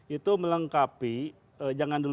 itu melengkapi jangan dulu